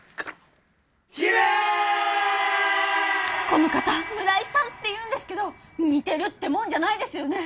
この方村井さんっていうんですけど似てるってもんじゃないですよね